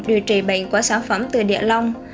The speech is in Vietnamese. điều trị bệnh của sản phẩm từ địa lông